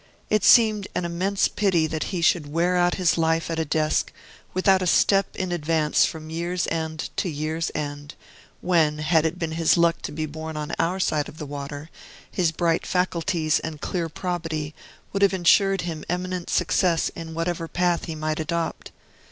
It seemed an immense pity that he should wear out his life at a desk, without a step in advance from year's end to year's end, when, had it been his luck to be born on our side of the water, his bright faculties and clear probity would have insured him eminent success in whatever path he night adopt.